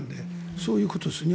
そういうことですよね。